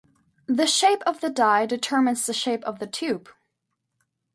The shape of the die determines the shape of the tube.